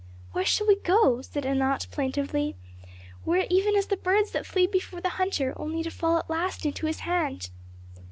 "Where shall we go?" said Anat plaintively. "We are even as the birds that flee before the hunter, only to fall at last into his hand."